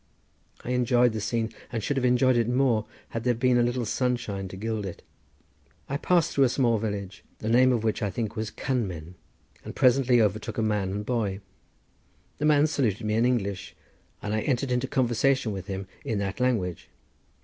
I enjoyed the scene, and should have enjoyed it more had there been a little sunshine to gild it. I passed through a small village, the name of which I think was Cynmen, and presently overtook a man and boy. The man saluted me in English and I entered into conversation with him in that language.